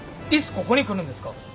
ここに来るんですか？